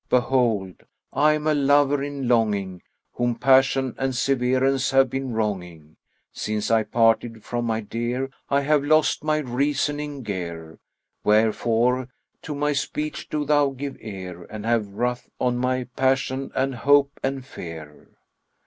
Behold, I am a lover in longing, whom passion and severance have been wronging; since I parted from my dear, I have lost my reasoning gear; wherefore, to my speech do thou give ear and have ruth on my passion and hope and fear."